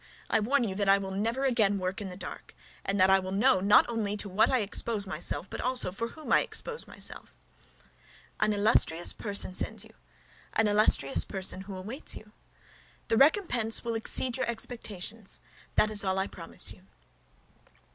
I warn you that I will never again work in the dark, and that I will know not only to what I expose myself, but for whom I expose myself." "An illustrious person sends you; an illustrious person awaits you. The recompense will exceed your expectations; that is all I promise you."